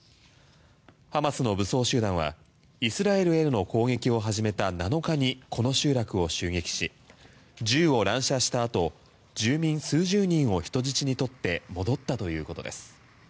ハマスの武装集団はイスラエルへの攻撃を始めた７日に、この集落を襲撃し銃を乱射したあと住民数十人を人質に取って戻ったということです。